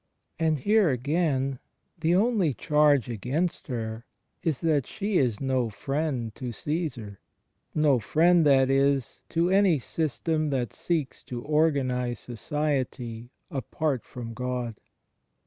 And here, again, the only charge against her is that she is no friend to Caesar — no friend, that is, to any system that seeks to organize society apart from God.